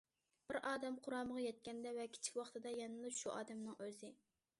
بىر ئادەم قۇرامىغا يەتكەندە ۋە كىچىك ۋاقتىدا يەنىلا شۇ ئادەمنىڭ ئۆزى.